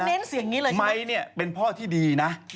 เขาเน้นเสียงนี่แหละไมร์ไงนะไมร์เนี่ยเป็นพ่อที่ดีนะ